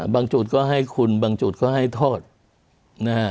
จุดก็ให้คุณบางจุดก็ให้โทษนะฮะ